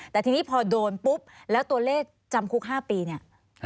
แต่ทีนี้พอโดนปุ๊บแล้วตัวเลขจำคุก๕ปีเนี่ย